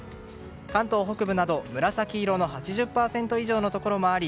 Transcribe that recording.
関東北部など紫色の８０％以上のところもあり